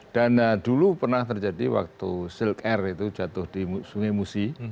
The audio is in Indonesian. dana dulu pernah terjadi waktu silk air itu jatuh di sungai musi